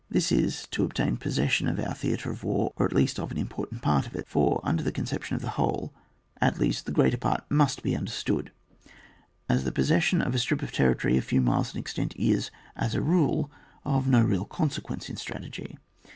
This is, to obtain possession of our thea tre of war, or, at least, of an important part of it, for under the conception of the whole, at least the greater part must be understood, as the possession of a strip of territory a few miles in extent is, as a rule, of no real consequence in stra tegy.